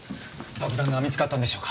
爆弾が見つかったんでしょうか？